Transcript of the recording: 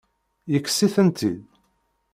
Yekkes-itent-id?